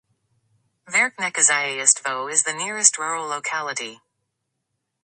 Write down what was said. Verkhnekhozyaystvo is the nearest rural locality.